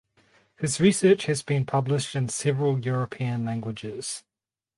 His research has been published in several European languages.